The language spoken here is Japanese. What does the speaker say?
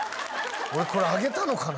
俺これあげたのかな？